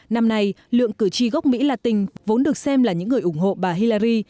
năm nay lượng cử tri gốc mỹ latin vốn được xem là những người ủng hộ bà hillery